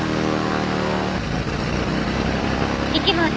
行きます。